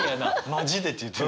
「マジで」って言ってる。